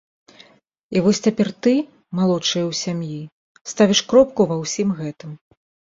І вось цяпер ты, малодшая ў сям'і, ставіш кропку ва ўсім гэтым.